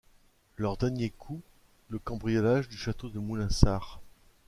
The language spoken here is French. Leur dernier coup, le cambriolage du château de Moulinsart.